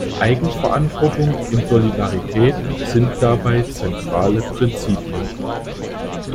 Eigenverantwortung und Solidarität sind dabei zentrale Prinzipien.